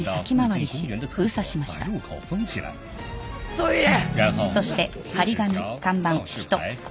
トイレ！